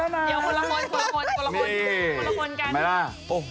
นี่สิบ้า